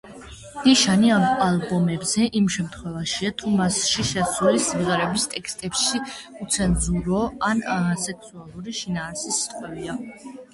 ნიშანი ალბომზე იმ შემთხვევაშია, თუ მასში შესული სიმღერების ტექსტებში უცენზურო ან სექსუალური შინაარსის სიტყვებია.